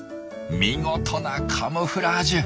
見事なカムフラージュ！